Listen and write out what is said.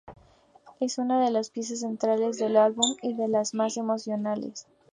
Es una de las piezas centrales del álbum y de las más emocionales.